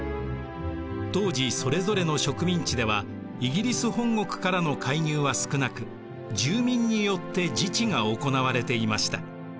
当時それぞれの植民地ではイギリス本国からの介入は少なく住民によって自治が行われていました。